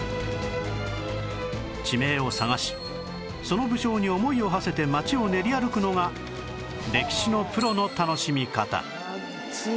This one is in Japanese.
地名を探しその武将に思いをはせて町を練り歩くのが歴史のプロの楽しみ方